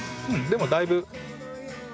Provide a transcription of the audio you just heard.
でもだいぶ。